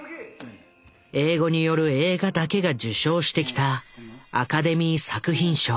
英語による映画だけが受賞してきたアカデミー作品賞。